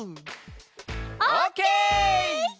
オッケー！